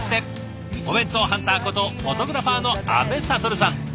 お弁当ハンターことフォトグラファーの阿部了さん。